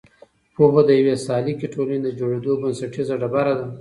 پوهه د یوې سالکې ټولنې د جوړېدو بنسټیزه ډبره ده.